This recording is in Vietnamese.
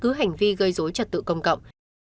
cứ hành vi gây dối trật tự công cộng